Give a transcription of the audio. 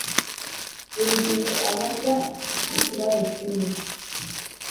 Buri gihe abaza ikibazo kimwe